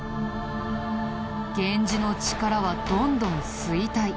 源氏の力はどんどん衰退。